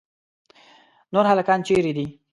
نور هلکان چیرې دي؟